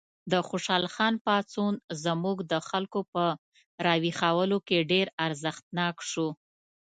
د خوشحال خان پاڅون زموږ د خلکو په راویښولو کې ډېر اغېزناک شو.